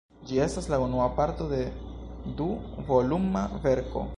Ĝi estas la unua parto de du-voluma verko.